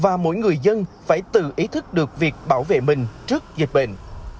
và mỗi người dân phải tự ý thức được việc bảo vệ mình trước dịch bệnh